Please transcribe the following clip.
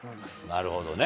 なるほどね。